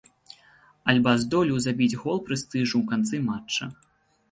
Альба здолеў забіць гол прэстыжу ў канцы матча.